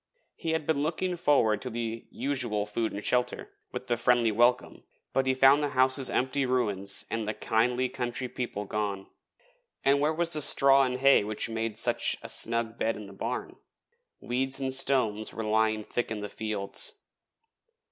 He had been looking forward to the usual food and shelter, with the friendly welcome, but he found the houses empty ruins and the kindly country people gone. And where was the straw and hay which made such a snug bed in the barn? Weeds and stones were lying thick in the fields.